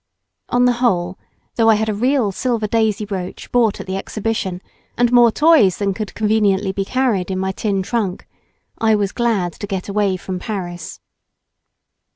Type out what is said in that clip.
On the whole, though I had a real silver daisy brooch bought at the Exhibition, and more toys than could conveniently be carried in my tin trunk, I was glad to get away from Paris.